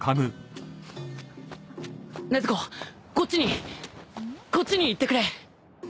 禰豆子こっちにこっちに行ってくれ。